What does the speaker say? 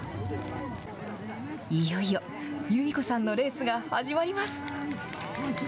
いよいよ、由美子さんのレースが始まります。